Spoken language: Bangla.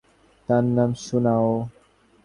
প্রভু তোর কণ্ঠে বসুন, দ্বারে দ্বারে তাঁর নাম শুনাও।